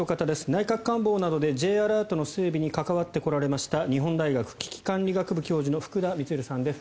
内閣官房などでＪアラートの整備に関わってこられました日本大学危機管理学部教授の福田充さんです。